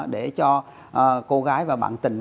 để cho cô gái và bạn tình